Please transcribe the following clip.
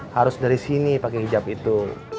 harus dari sini pakai hijab itu